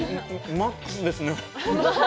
マックスですね！